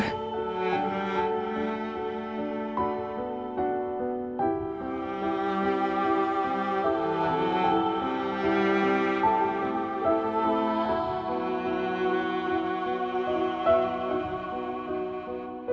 kaget ya ditinggal semua